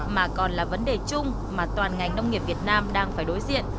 mà còn là vấn đề chung mà toàn ngành nông nghiệp việt nam đang phải đối diện